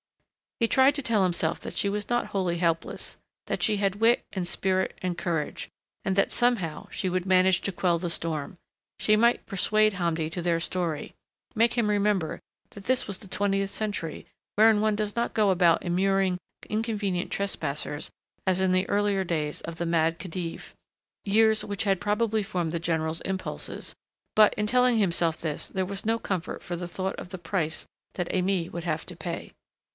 He tried to tell himself that she was not wholly helpless, that she had wit and spirit and courage, and that somehow she would manage to quell the storm; she might persuade Hamdi to their story, make him remember that this was the twentieth century wherein one does not go about immuring inconvenient trespassers as in the earlier years of the Mad Khedive years which had probably formed the general's impulses but in telling himself this there was no comfort for the thought of the price that Aimée would have to pay.